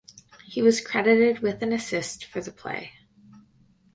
He was credited with an assist for the play.